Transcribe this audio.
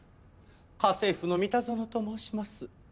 家政夫の三田園と申します。